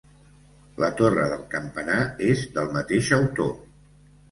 La torre del campanar és del mateix autor.